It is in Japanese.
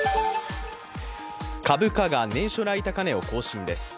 株価が年初来高値を更新です。